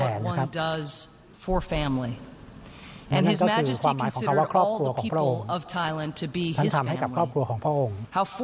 อันนี้ก็คือความหมายของคำว่าครอบครัวของพระองค์ท่านทำให้กับครอบครัวของพระองค์